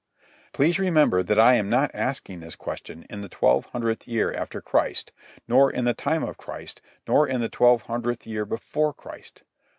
Please remember that I am not asking this question in the twelve hundredth year after Christ, nor in the time of Christ, nor in the twelve hundredth year before Christ.